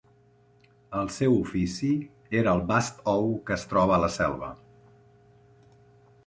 El seu ofici era el vast ou que es troba a la selva.